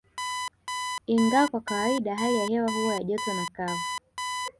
Ingawa kwa kawaida hali ya hewa huwa ya joto na kavu